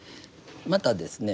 またですね